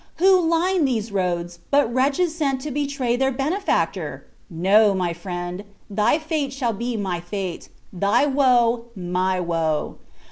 who line these roads, but wretches sent to betray their benefactor? No, my friend, thy fate shall be my fate thy woe my woe!